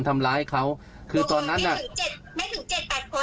แต่ว่าสามีเพราะว่าหนูไม่แน่ใจ